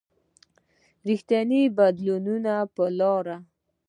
رښتیني بدلونونه پر لاره و.